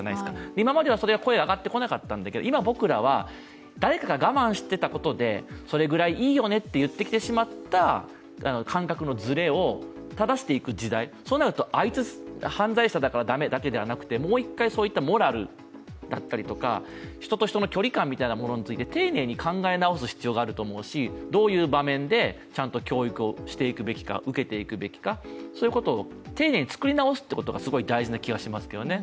今までは声は上がってこなかったけど、今、僕らは、誰かが我慢してきたことでそれぐらいいよねと言ってきてしまった感覚のずれをただしていく時代、そうなると犯罪者だから駄目だけではなくてもう一回、そういったモラルだったり人と人の距離感を丁寧に考え直す必要があると思うし、どういう場面でちゃんと教育をしていくべきか受けていくべきか、そういうことを丁寧に作り直すことが大事だと思いますね。